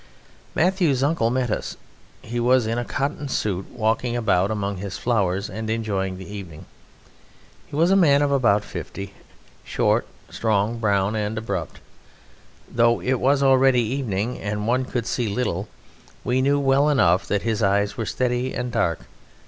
Matthieu's uncle met us; he was in a cotton suit walking about among his flowers and enjoying the evening. He was a man of about fifty, short, strong, brown, and abrupt. Though it was already evening and one could see little, we knew well enough that his eyes were steady and dark.